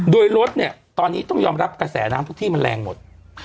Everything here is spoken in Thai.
โดยรถเนี่ยตอนนี้ต้องยอมรับกระแสน้ำทุกที่มันแรงหมด